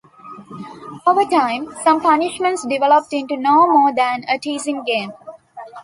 Over time, some punishments developed into no more than a teasing game.